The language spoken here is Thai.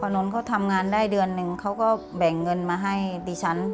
นนท์เขาทำงานได้เดือนนึงเขาก็แบ่งเงินมาให้ดิฉัน